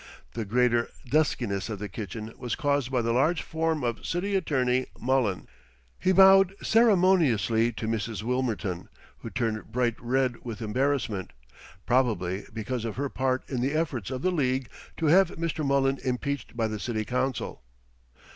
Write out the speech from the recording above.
The greater duskiness of the kitchen was caused by the large form of City Attorney Mullen. He bowed ceremoniously to Mrs. Wilmerton, who turned bright red with embarrassment, probably because of her part in the efforts of the League to have Mr. Mullen impeached by the City Council.